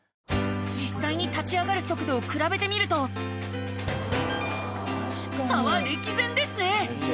実際に立ち上がる速度を比べてみると差は歴然ですね！